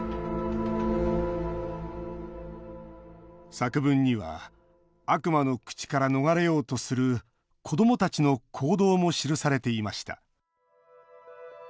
作文には悪魔の口から逃れようとする子どもたちの行動も記されていました。